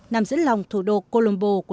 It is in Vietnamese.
nằm giữa lòng thủ đô colombo